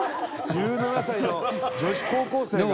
１７歳の女子高校生が。